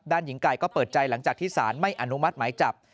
หญิงไก่ก็เปิดใจหลังจากที่สารไม่อนุมัติหมายจับ